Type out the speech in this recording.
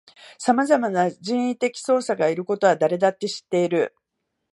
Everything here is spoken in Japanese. さまざまな人為的操作がいることは誰だって知っている